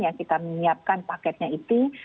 yang kita menyiapkan paketnya itu